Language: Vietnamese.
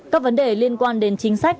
các vấn đề liên quan đến chính sách